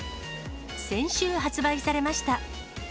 先週、発売されました。